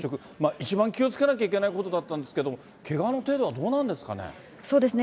一番気をつけなきゃいけないことだったんですけども、けがの程度はどうなんですかね。